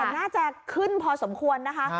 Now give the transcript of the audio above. น่าจะขึ้นพอสมควรนะคะ